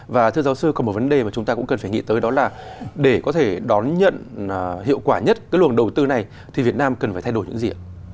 và thưa giáo sư có một vấn đề mà chúng ta cũng cần phải nghĩ tới đó là để có thể đón nhận hiệu quả nhất cái luồng đầu tư này thì việt nam cần phải thay đổi những gì ạ